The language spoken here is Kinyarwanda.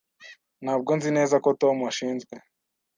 Ntabwo nzi neza ko Tom ashinzwe.